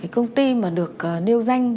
công ty mà được nêu danh